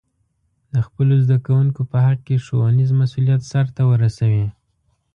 د خپلو زده کوونکو په حق کې ښوونیز مسؤلیت سرته ورسوي.